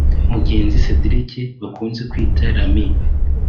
Mugenzi Cedrick bakunze kwita ‘Ramires’